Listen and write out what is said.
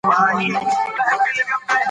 انارګل په دښته کې خپل لرګی وخوځاوه.